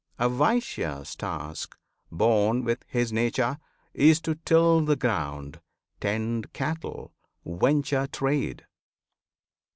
A Vaisya's task, Born with his nature, is to till the ground, Tend cattle, venture trade.